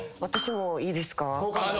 私もいいですか？